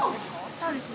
そうですね。